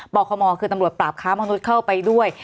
คมคือตำรวจปราบค้ามนุษย์เข้าไปด้วย